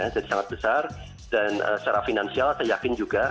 jadi sangat besar dan secara finansial saya yakin juga